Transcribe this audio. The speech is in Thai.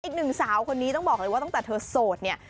อีกหนึ่งสาวคนนี้ต้องบอกเลยว่าตั้งแต่เธอโสดเนี่ย